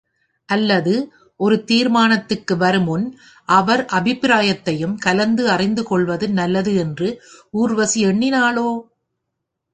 அல்லது, ஒரு தீர்மானத்துக்கு வருமுன் அவர் அபிப்பிராயத்தையும் கலந்து அறிந்துகொள்வது நல்லது என்று ஊர்வசி எண்ணினாளோ?